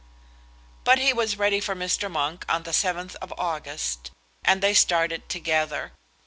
But he was ready for Mr. Monk on the 7th of August, and they started together.